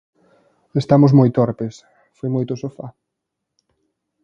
Estamos moi torpes, foi moito sofá.